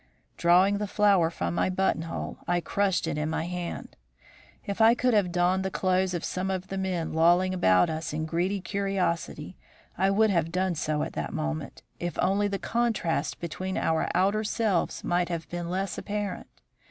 "Drawing the flower from my button hole, I crushed it in my hand. If I could have donned the clothes of some of the men lolling about us in greedy curiosity, I would have done so at that moment, if only the contrast between our outer selves might have been less apparent.